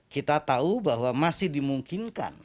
kita tahu bahwa masih dimungkinkan